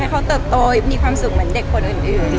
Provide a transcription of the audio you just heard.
เขาเติบโตมีความสุขเหมือนเด็กคนอื่น